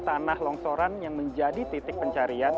tanah longsoran yang menjadi titik pencarian